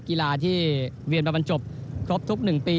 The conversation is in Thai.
กีฬาที่เวียนมาบรรจบครบทุก๑ปี